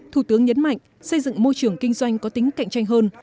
thủ tướng nhấn mạnh xây dựng môi trường kinh doanh có tính cạnh tranh hơn